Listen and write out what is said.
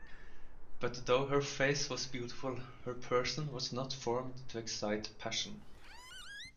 But though her face was beautiful, her person was not formed to excite passion.